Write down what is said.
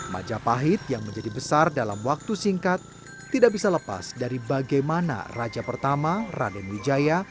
majapahit yang menjadi besar dalam waktu singkat tidak bisa lepas dari bagaimana raja pertama raden wijaya